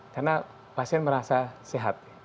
karena pasien merasa sehat